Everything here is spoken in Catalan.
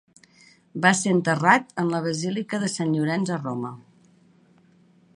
Va ser enterrat en la Basílica de Sant Llorenç a Roma.